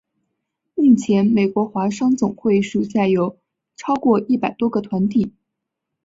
目前美国华商总会属下有超过一百多个团体。